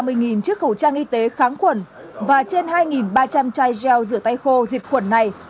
ba mươi chiếc khẩu trang y tế kháng khuẩn và trên hai ba trăm linh chai gel rửa tay khô diệt khuẩn này